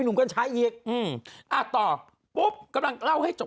นุ่มนุ่มอี๊บป้าสิ